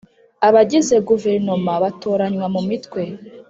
Abagize guverinoma batoranywa mu mitwe